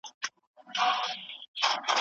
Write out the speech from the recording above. لښتې په خپلو شنه سترګو کې یو نوی درد ولید.